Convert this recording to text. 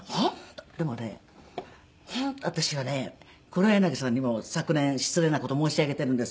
でもね私はね黒柳さんにも昨年失礼な事を申し上げているんですよ。